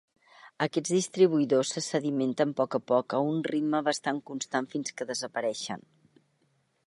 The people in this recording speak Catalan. Aquests distribuïdors se sedimenten poc a poc a un ritme bastant constant fins que desapareixen.